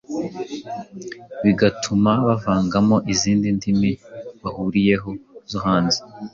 bigatuma bavangamo izindi ndimi bahuriyeho zo hanze,